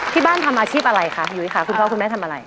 ที่บ้านทำอาชีพอะไรคะพี่ยุ้ยคะคุณพ่อคุณแม่ทำอะไร